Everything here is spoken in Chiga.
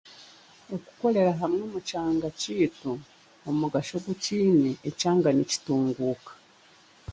Okukorera hamwe omu kyanga kyeitu omugasho ogu kyeine ekyanga nikitunguka.